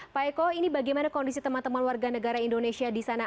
pak eko ini bagaimana kondisi teman teman warga negara indonesia di sana